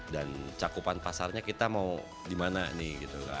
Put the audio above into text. dan cakupan pasarnya kita mau dimana nih